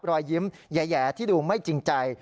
รอยยิ้มแหย่ที่ดูไม่จริงใจ